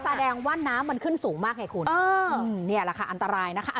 แสดงว่าน้ำมันขึ้นสูงมากไงคุณนี่แหละค่ะอันตรายนะคะ